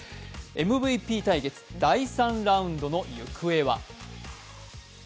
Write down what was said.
ＭＶＰ対決、第３ラウンドの行方は？